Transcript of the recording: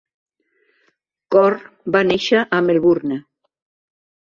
Corr va néixer a Melbourne.